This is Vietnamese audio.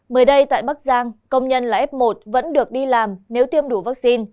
mới đây tại bắc giang công nhân là f một vẫn được đi làm nếu tiêm đủ vaccine